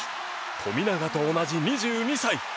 富永と同じ２２歳。